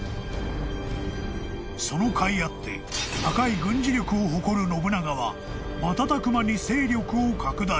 ［そのかいあって高い軍事力を誇る信長は瞬く間に］